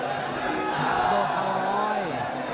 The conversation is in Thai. หักโบร้อย